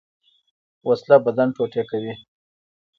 وسله بدن ټوټې کوي